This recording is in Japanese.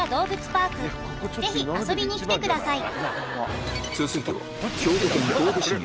ぜひ遊びに来てください。